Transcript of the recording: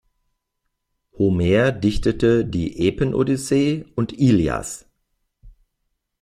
Homer dichtete die Epen-Odyssee und Ilias.